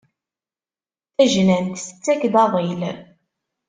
Tajnant tettak-d aḍil.